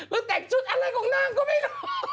แล้วแต่งชุดอะไรของนางก็ไม่รู้